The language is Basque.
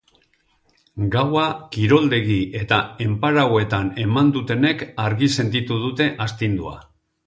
Gaua kiroldegi eta enparauetan eman dutenek argi sentitu dute astindua.